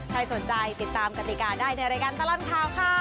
ใครสนใจติดตามกติกาได้ในรายการตลอดข่าวค่ะ